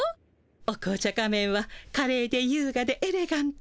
お紅茶仮面はかれいでゆうがでエレガント。